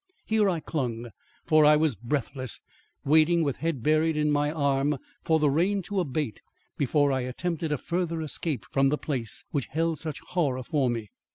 Here I clung, for I was breathless, waiting with head buried in my arm for the rain to abate before I attempted a further escape from the place which held such horror for me!